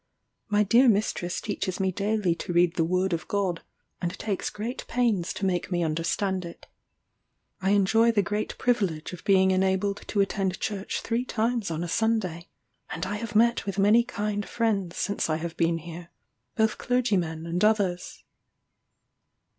My dear mistress teaches me daily to read the word of God, and takes great pains to make me understand it. I enjoy the great privilege of being enabled to attend church three times on the Sunday; and I have met with many kind friends since I have been here, both clergymen and others.